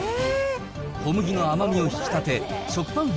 小麦の甘みを引き立て、食パン本